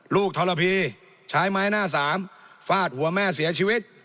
ลูกธรพีชายไม้หน้า๓ฟาดหัวแม่เสียชีวิต